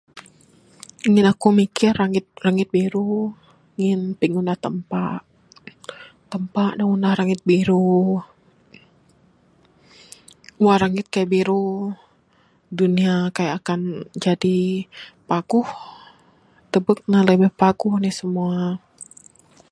Ngin aku mikir rangit rangit biru, ngin pingunah Tampa. Tampa da ngunah rangit biru. Wang rangit kaik biru, dunia kaik akan jadi paguh tubek ne lebih paguh anih simua.